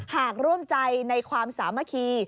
ร่วมใจในความสามัคคี